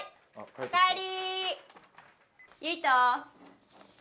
おかえり。